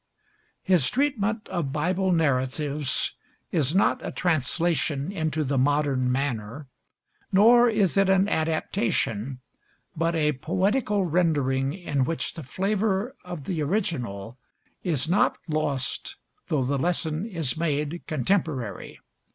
His treatment of Bible narratives is not a translation into the modern manner, nor is it an adaptation, but a poetical rendering, in which the flavor of the original is not lost though the lesson is made contemporary.